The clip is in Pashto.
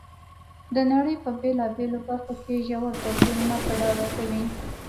د نړۍ په بېلابېلو برخو کې ژور توپیرونه په ډاګه کوي.